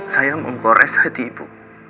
saya menggores hati ibu